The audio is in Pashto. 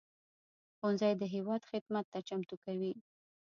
ښوونځی د هېواد خدمت ته چمتو کوي